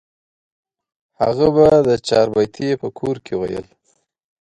هغه به د چاربیتې په کور کې ویل.